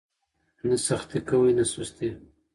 نه سختي کوئ نه سستي.